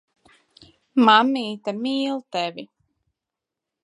Mammīte mīl tevi.